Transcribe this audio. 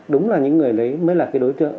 đúng là những người đấy mới là cái đối tượng